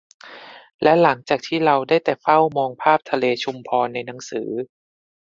และหลังจากที่เราได้แต่เฝ้ามองภาพทะเลชุมพรในหนังสือ